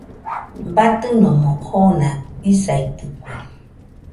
Batɨnomo oona isaitɨkue.